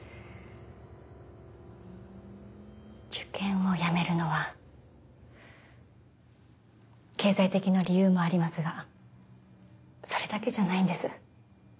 受験をやめるのは経済的な理由もありますがそれだけじゃないんです。